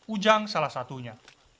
ujang salah satunya